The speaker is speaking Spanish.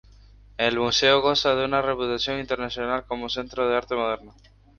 El museo goza de una reputación internacional como centro de arte moderno.